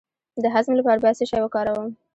د هضم لپاره باید څه شی وکاروم؟